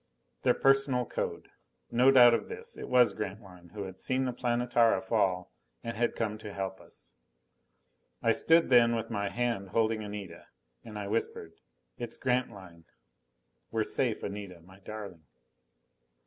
_" Their personal code. No doubt of this it was Grantline, who had seen the Planetara fall and had come to help us. I stood then with my hand holding Anita. And I whispered, "It's Grantline! We're safe, Anita, my darling!"